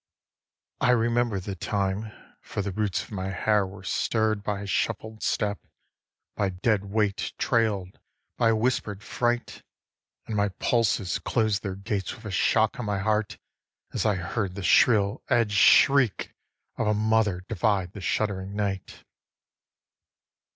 4. I remember the time, for the roots of my hair were stirr'd By a shuffled step, by a dead weight trail'd, by a whisper'd fright, And my pulses closed their gates with a shock on my heart as I heard The shrill edged shriek of a mother divide the shuddering night.